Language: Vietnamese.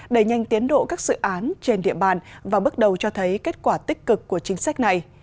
đẩy nhanh tiến độ các dự án trên địa bàn và bước đầu cho thấy kết quả tích cực của chính sách này